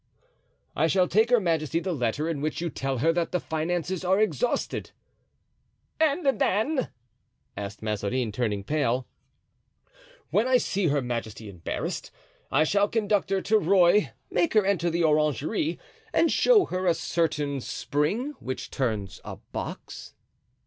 "I shall take her majesty the letter in which you tell her that the finances are exhausted." "And then?" asked Mazarin, turning pale. "When I see her majesty embarrassed, I shall conduct her to Rueil, make her enter the orangery and show her a certain spring which turns a box."